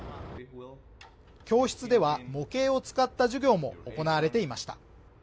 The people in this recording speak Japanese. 教室では模型を使った授業も行われていました